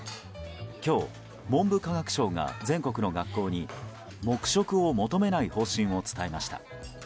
今日、文部科学省が全国の学校に黙食を求めない方針を伝えました。